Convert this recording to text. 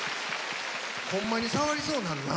ホンマに触りそうになるな。